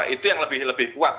itu yang lebih kuat